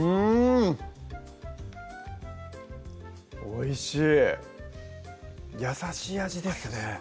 おいしい優しい味ですね